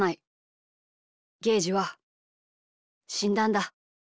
ゲージはしんだんだ。